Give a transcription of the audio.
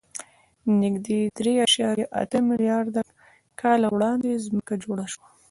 نږدې درې اعشاریه اته میلیارده کاله وړاندې ځمکه جوړه شوه.